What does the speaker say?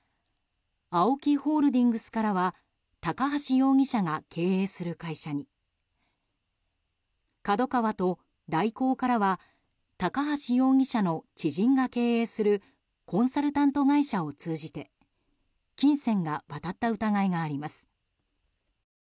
ＡＯＫＩホールディングスからは高橋容疑者が経営する会社にＫＡＤＯＫＡＷＡと大広からは高橋容疑者の知人が経営するコンサルタント会社を通じて金銭が渡った疑いがあります。